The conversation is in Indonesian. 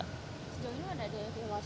sejauh ini ada evaluasi